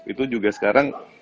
itu juga sekarang